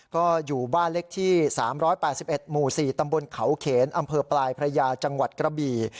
ก็อยู่บ้านเล็กที่๓๘๑หมู่๔ตำบลเขาเขนอำเภอปลายพระยาจังหวัดกระบี่